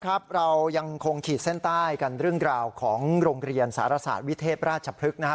ครับเรายังคงขีดเส้นใต้กันเรื่องราวของโรงเรียนสารศาสตร์วิเทพราชพฤกษ์นะฮะ